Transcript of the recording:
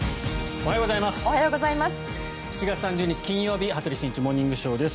おはようございます。